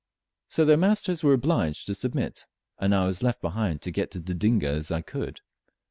So their masters were obliged to submit, and I was left behind to get to Dodinga as I could.